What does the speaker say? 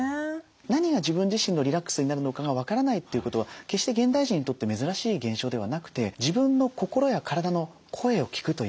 何が自分自身のリラックスになるのかが分からないということは決して現代人にとって珍しい現象ではなくて自分の心や体の声を聞くというんでしょうか。